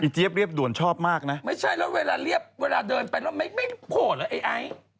อีเจี๊ยบเรียบด่วนชอบมากนะไม่ใช่แล้วเวลาเรียบเวลาเดินกันไม่โหลหรอไอ้ไอ